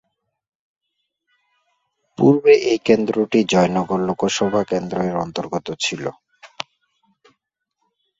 পূর্বে এই কেন্দ্রটি জয়নগর লোকসভা কেন্দ্র এর অন্তর্গত ছিল।